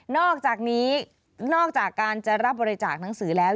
อกจากนี้นอกจากการจะรับบริจาคหนังสือแล้ว